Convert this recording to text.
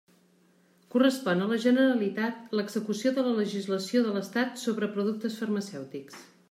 Correspon a la Generalitat l'execució de la legislació de l'Estat sobre productes farmacèutics.